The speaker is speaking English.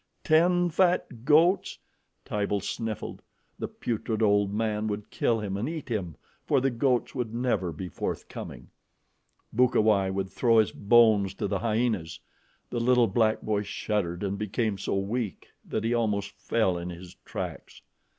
Ten fat goats! Tibo sniffled. The putrid old man would kill him and eat him, for the goats would never be forthcoming. Bukawai would throw his bones to the hyenas. The little black boy shuddered and became so weak that he almost fell in his tracks.